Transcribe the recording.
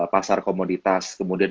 pasar komoditas kemudian